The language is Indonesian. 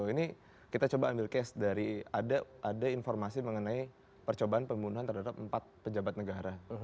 ini kita coba ambil case dari ada informasi mengenai percobaan pembunuhan terhadap empat pejabat negara